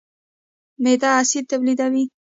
معده اسید تولیدوي.